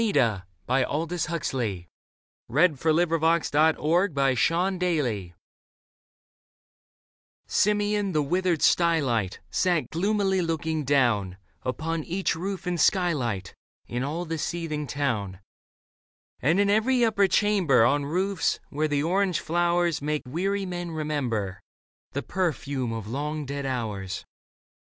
Say, is it possible ... to love too much f " 24 Leda FROM THE PILLAR SIMEON, the withered stylite, Sat gloomily looking down Upon each roof and skylight In all the seething town. And in every upper chamber, On roofs, where the orange flowers Make weary men remember The perfume of long dead hours.